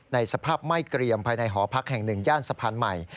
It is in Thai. สภาพไหม้เกรียมภายในหอพักแห่งหนึ่งย่านสะพานใหม่